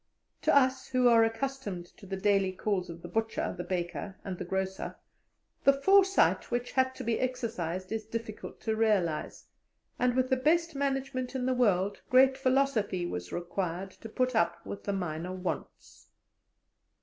To us who are accustomed to the daily calls of the butcher, the baker, and the grocer, the foresight which had to be exercised is difficult to realize, and with the best management in the world great philosophy was required to put up with the minor wants.